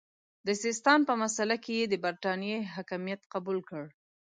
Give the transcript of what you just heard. د سیستان په مسئله کې یې د برټانیې حکمیت قبول کړ.